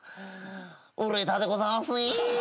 売れたでございますね。